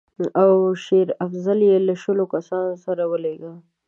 او شېر افضل یې له شلو کسانو سره ولېږه.